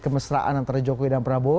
kemesraan antara jokowi dan prabowo